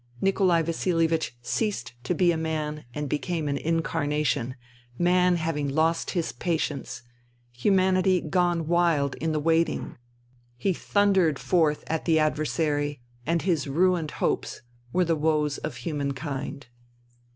Nikolai Vasilievich ceased to be a man and became an incarnation : Man having lost his patience : Humanity gone wild in the wait ing. He thundered forth at the adversary, and his ruined hopes were the woes of Humankind.